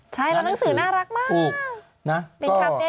ใช่แล้วหนังสือน่ารักมาก